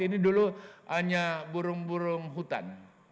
ini dulu hanya burung burung hutan